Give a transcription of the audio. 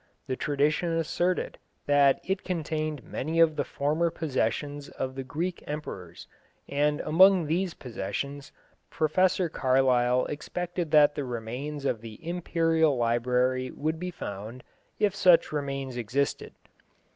The tradition asserted that it contained many of the former possessions of the Greek emperors, and among these possessions Professor Carlyle expected that the remains of the imperial library would be found, if such remains existed.